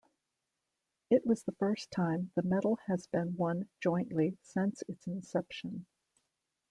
It was the first time the medal has been won jointly since its inception.